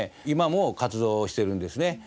今も活動をしてるんですね。